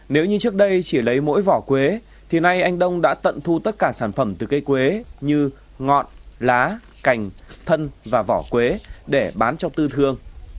nếu như trước đây chỉ lấy mỗi vỏ quế thì nay anh đông đã tận thu tất cả sản phẩm từ cây quế như ngọn lá cành thân và vỏ quế để bán cho tư thương